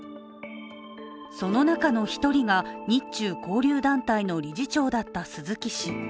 その中の１人が、日中交流団体の理事長だった鈴木氏。